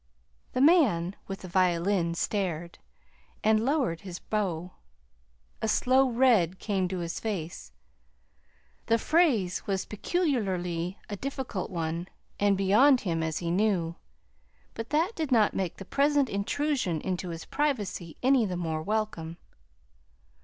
The man with the violin stared, and lowered his bow. A slow red came to his face. The phrase was peculiarly a difficult one, and beyond him, as he knew; but that did not make the present intrusion into his privacy any the more welcome.